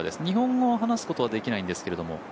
日本語を話すことはできないんですけども。